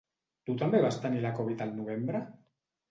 Tu també vas tenir la Covid al novembre?